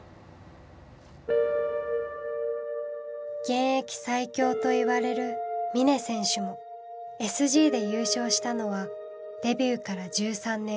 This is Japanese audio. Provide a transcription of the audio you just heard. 現役最強といわれる峰選手もＳＧで優勝したのはデビューから１３年後。